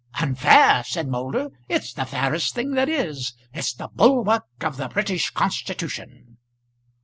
"Unfair!" said Moulder. "It's the fairest thing that is. It's the bulwark of the British Constitution."